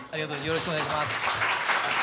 よろしくお願いします。